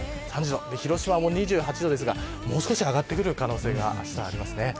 広島も２８度ですが、もう少し上がってくる可能性があしたはあります。